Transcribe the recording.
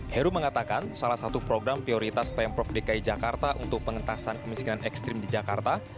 heru mengatakan salah satu program prioritas pemprov dki jakarta untuk pengentasan kemiskinan ekstrim di jakarta